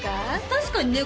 確かにね